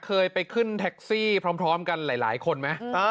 เคยไปขึ้นแท็กซี่พร้อมกันหลายคนไหม